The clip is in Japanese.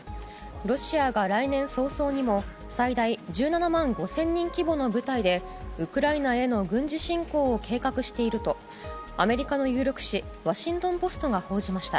ロシアが来年早々にも最大１７万５０００人規模の部隊でウクライナへの軍事侵攻を計画しているとアメリカの有力紙ワシントン・ポストが報じました。